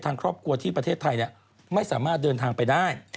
ทางครอบครัวที่ประเทศไทยไม่สามารถเดินทางไปได้